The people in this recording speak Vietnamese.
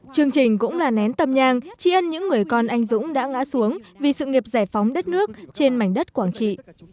chương trình cũng là nén tâm nhang tri ân những người con anh dũng đã ngã xuống vì sự nghiệp giải phóng đất nước trên mảnh đất quảng trị